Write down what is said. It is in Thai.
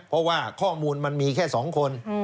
เพราะว่าข้อมูลมันมีแค่๒คน